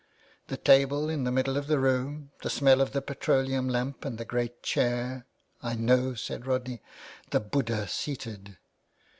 " The table in the middle of the room ; the smell of the petroleum lamp and the great chair —"" I know," said Rodney, ''the Buddah seated